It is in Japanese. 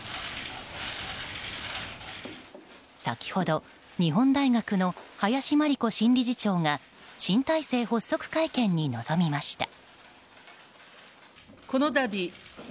先ほど、日本大学の林真理子新理事長が新体制発足会見に臨みました。